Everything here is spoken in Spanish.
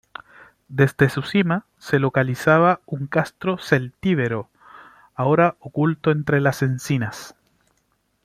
Desde su cima se localizaba un castro celtíbero, ahora oculto entre las encinas.